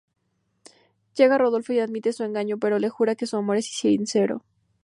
Llega Rodolfo y admite su engaño pero le jura que su amor es sincero.